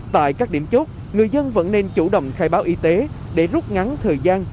tại các điểm chốt người dân vẫn nên chủ động khai báo y tế để rút ngắn thời gian